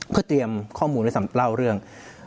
เพื่อเตรียมข้อมูลเล่าเรื่อง